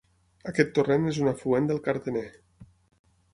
Aquest torrent és un afluent del Cardener.